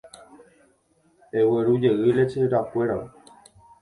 Eguerujey lecherakuéra.